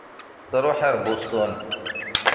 Tṛuḥ ar Boston.